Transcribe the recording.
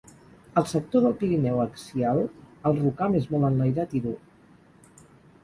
Al sector del Pirineu axial el rocam és molt enlairat i dur.